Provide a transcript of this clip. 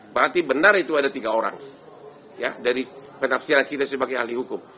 berarti benar itu ada tiga orang dari penafsiran kita sebagai ahli hukum